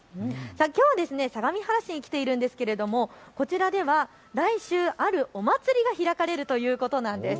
きょうは相模原市に来ているんですけれどこちらでは来週、あるお祭りが開かれるということなんです。